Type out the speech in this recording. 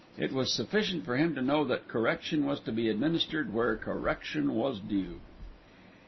It was sufficient for him to know that correction was to be administered where correction was due.